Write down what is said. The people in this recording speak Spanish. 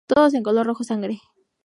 Todo en color rojo sangre.